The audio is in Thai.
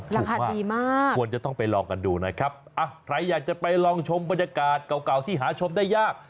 ราคาดีมากควรจะต้องไปลองกันดูนะครับอ่ะใครอยากจะไปลองชมบรรยากาศเก่าเก่าที่หาชมได้ยาก